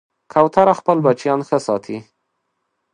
کوتره خپل بچیان ښه ساتي.